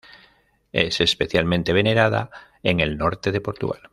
Es especialmente venerada en el norte de Portugal.